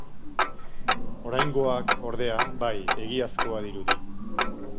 Oraingoak, ordea, bai, egiazkoa dirudi.